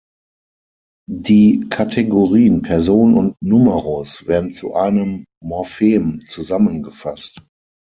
Die Kategorien Person und Numerus werden zu einem Morphem zusammengefasst.